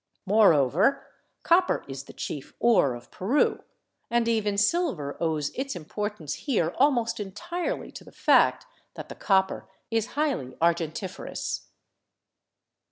Moreover, copper is the chief ore of Peru, and even silver owes its importance here al most entirely to the fact that the copper is highly argentiferous.